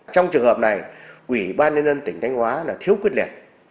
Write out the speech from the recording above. trong trường hợp này ủy ban nhân dân tỉnh thanh hóa là thiếu quyết liệt